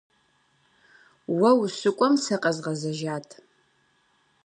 Уэ ущыкӏуэм сэ къэзгъэзэжат.